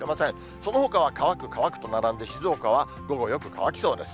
そのほかは乾く、乾くと並んで、静岡は午後、よく乾きそうです。